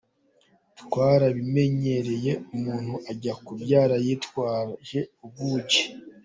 Twarabimenyereye, umuntu ajya kubyara yitwaje buji.